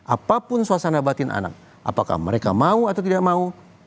apapun suasana batin anak apakah mereka mau atau tidak mau